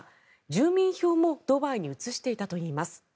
住民票もドバイに移していたといいます。